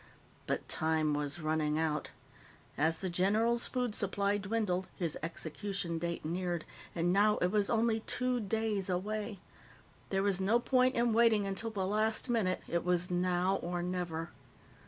But time was running out. As the general's food supply dwindled, his execution date neared, and now it was only two days away. There was no point in waiting until the last minute; it was now or never.